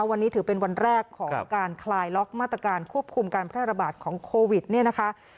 วันนี้ถือเป็นวันแรกของการคลายล็อกมาตรการควบคุมการแพร่ระบาดของโควิดเนี่ยนะคะ